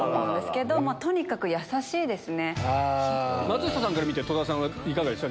松下さんから見て戸田さんはいかがでした？